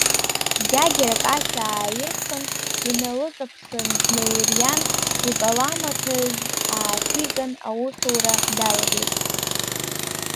Гьагьарак ача ааирхын, иналыҵаԥсан днаириан, икаламаҭажә ааҭиган, аусура далагеит.